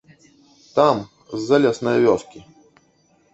Там, з залеснае вёскі.